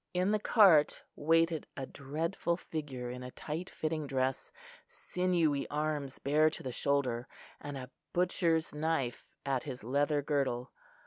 In the cart waited a dreadful figure in a tight fitting dress, sinewy arms bare to the shoulder, and a butcher's knife at his leather girdle.